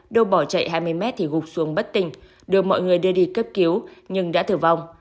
đô bỏ chạy hai mươi mét thì gục xuống bất tình đưa mọi người đưa đi cấp cứu nhưng đã tử vong